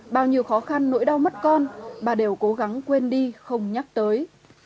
bao nhiêu khó khăn nỗi đau mất con bà đều cố gắng quên đi không nhắc tới